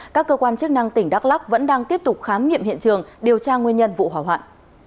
các cơ quan chức năng tỉnh đắk lắc vẫn đang tiếp tục khám nghiệm hiện trường điều tra nguyên nhân vụ hỏa hoạn